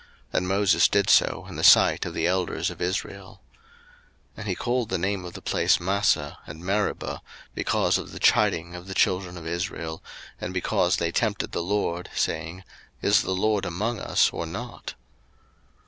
And Moses did so in the sight of the elders of Israel. 02:017:007 And he called the name of the place Massah, and Meribah, because of the chiding of the children of Israel, and because they tempted the LORD, saying, Is the LORD among us, or not?